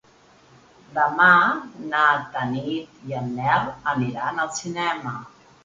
Demà na Tanit i en Nel aniran al cinema.